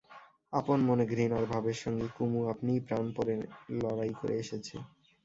আপন মনে ঘৃণার ভাবের সঙ্গে কুমু আপনিই প্রাণপণে লড়াই করে এসেছে।